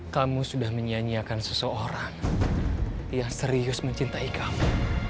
kamu sudah menyanyiakan seseorang yang serius mencintai kamu